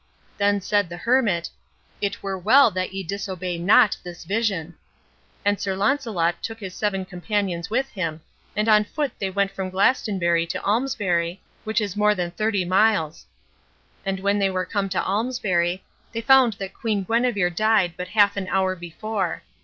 Then said the hermit, "It were well that ye disobey not this vision." And Sir Launcelot took his seven companions with him, and on foot they went from Glastonbury to Almesbury, which is more than thirty miles. And when they were come to Almesbury, they found that Queen Guenever died but half an hour before.